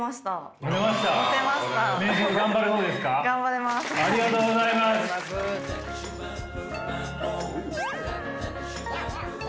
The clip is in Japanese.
ありがとうございます。